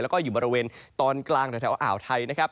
และอยู่บริเวณตอนกลางจากแถวอ่าวไทย